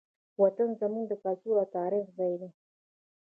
وطن زموږ د کلتور او تاریخ ځای دی.